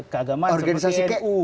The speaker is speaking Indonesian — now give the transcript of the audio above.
keagaman seperti nu